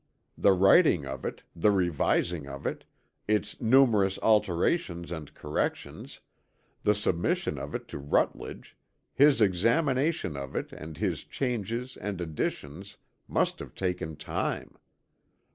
The writing of it, the revising of it, its numerous alterations and corrections, the submission of it to Rutledge, his examination of it and his changes and additions must have taken time.